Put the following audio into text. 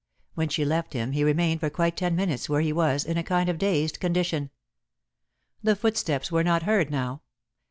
When she left him he remained for quite ten minutes where he was, in a kind of dazed condition. The footsteps were not heard now.